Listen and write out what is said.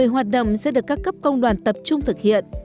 một mươi hoạt động sẽ được các cấp công đoàn tập trung thực hiện